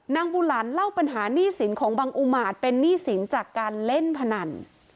บุหลันเล่าปัญหาหนี้สินของบังอุมาตเป็นหนี้สินจากการเล่นพนัน